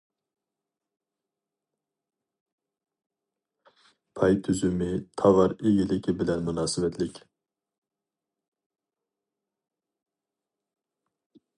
پاي تۈزۈمى تاۋار ئىگىلىكى بىلەن مۇناسىۋەتلىك.